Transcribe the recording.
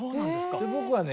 僕はね